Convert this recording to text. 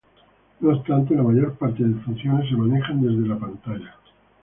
No obstante, la mayor parte de funciones se manejan desde la pantalla.